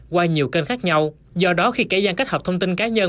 qua nhiều kênh khác nhau do đó khi kẻ gian kết hợp thông tin cá nhân